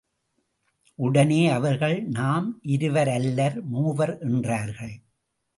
உடனே அவர்கள் நாம் இருவர் அல்லர், மூவர் என்றார்கள்.